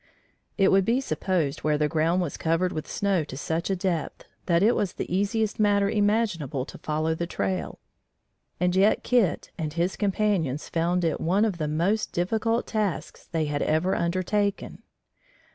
It would be supposed where the ground was covered with snow to such a depth, that it was the easiest matter imaginable to follow the trail, and yet Kit and his companions found it one of the most difficult tasks they had ever undertaken.